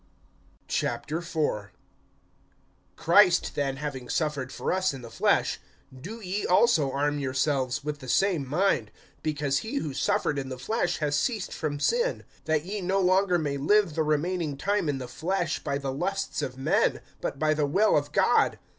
IV. CHRIST then having suffered for us in the flesh, do ye also arm yourselves with the same mind; because he who suffered in the flesh has ceased from sin; (2)that ye no longer may live the remaining time in the flesh by the lusts of men, but by the will of God.